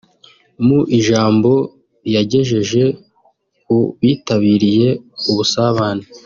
Mu ijambo yagejeje ku bitabiriye ubusabane